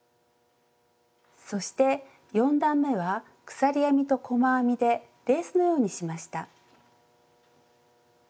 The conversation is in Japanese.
そして４段めは鎖編みと細編みでレースのようにしました。